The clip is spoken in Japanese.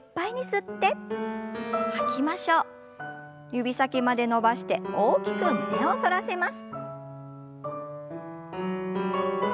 指先まで伸ばして大きく胸を反らせます。